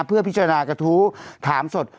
เพื่อพิจารณากระทู้ถามสด